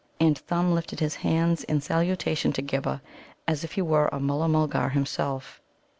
And Thumb lifted his hands in salutation to Ghibba, as if he were a Mulla mulgar himself.